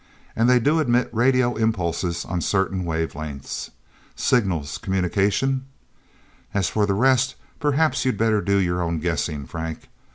And they do emit radio impulses on certain wavelengths. Signals communication...? As for the rest, perhaps you'd better do your own guessing, Frank.